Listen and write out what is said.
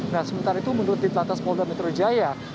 nah sementara itu menurut di plantas polda metro jaya